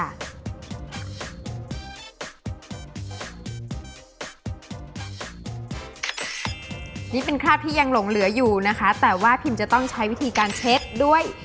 นี่เป็นภาพที่ยังหลงเหลืออยู่นะคะแต่ว่าพิมจะต้องใช้วิธีการเช็ดด้วย